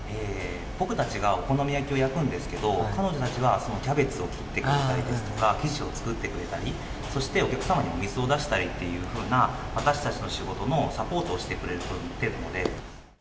僕たちがお好み焼きを焼くんですけど、彼女たちはキャベツを切ってくれたりですとか、生地を作ったくれたり、そしてお客様にお水を出したりっていうふうな、私たちの仕事のサポートをしてくれているので。